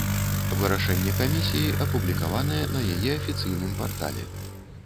Вырашэнне камісіі апублікаванае на яе афіцыйным партале.